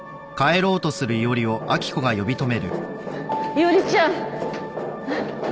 伊織ちゃん！